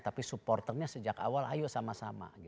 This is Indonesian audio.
tapi supporternya sejak awal ayo sama sama